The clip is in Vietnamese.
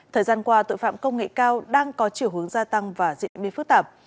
thời gian qua tội phạm công nghệ cao đang có chiều hướng gia tăng và diễn biến phức tạp